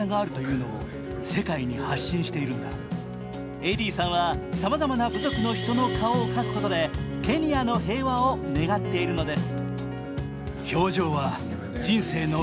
エディさんはさまざまな部族の人の顔を描くことでケニアの平和を願っているのです。